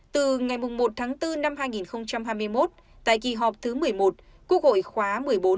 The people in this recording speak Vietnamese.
từ ngày một tháng bốn năm hai nghìn hai mươi một tại kỳ họp thứ một mươi một quốc hội khóa một mươi bốn